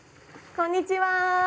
こんにちは。